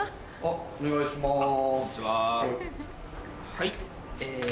はい。